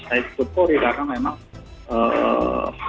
saya sebut polri karena memang